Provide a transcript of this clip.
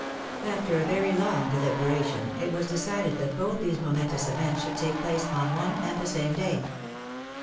After a very long deliberation, itwas decided that both these momentous events should take place on one and the same day.